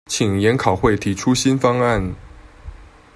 請研考會提出新方案